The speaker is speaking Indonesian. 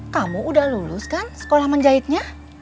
kamu udah lulus kan sekolah menjahitnya